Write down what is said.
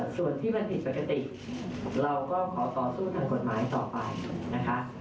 ส่วนที่มันผิดปกติเราก็ขอต่อสู้ทางกฎหมายต่อไปนะคะ